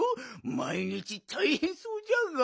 まい日たいへんそうじゃが。